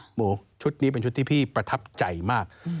หมูชุดนี้เป็นชุดที่พี่ประทับใจมาก